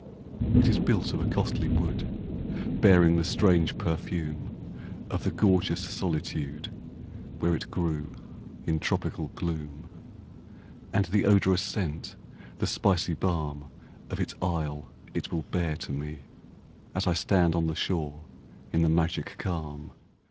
It is built of a costly wood, Bearing the strange perfume Of the gorgeous solitude, Where it grew in tropical gloom; And the odorous scent, the spicy balm Of its isle it will bear to me, As I stand on the shore, in the magic calm.